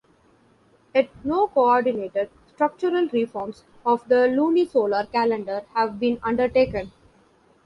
Yet no coordinated structural reforms of the lunisolar calendar have been undertaken.